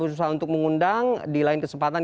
berusaha untuk mengundang di lain kesempatan